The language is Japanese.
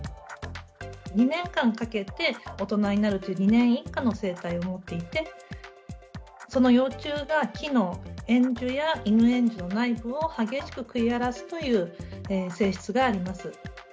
２年間かけて大人になるという二年一化の生態をもっていてその幼虫が木のエンジュやイヌエンジュの内部を激しく食い荒らすという性質があります。